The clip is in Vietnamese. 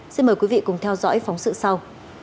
xin mời quý vị cùng theo dõi phóng sự sau